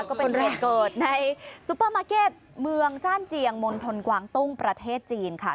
ก็เป็นเรื่องเกิดในซุปเปอร์มาร์เก็ตเมืองจ้านเจียงมณฑลกวางตุ้งประเทศจีนค่ะ